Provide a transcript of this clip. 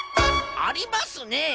ありますね